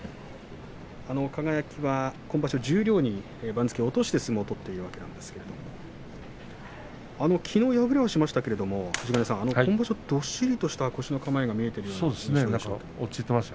輝は今場所、十両に番付を落として相撲を取っていますがきのう敗れはしましたが今場所はどっしりとした腰の構えが見えてるような気がします。